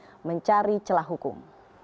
apalagi mencari celah hukum